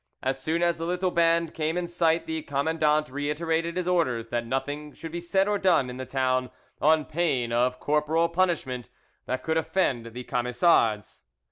As soon as the little band came in sight the commandant reiterated his orders that nothing should be said or done in the town, on pain of corporal punishment, that could offend the Camisards.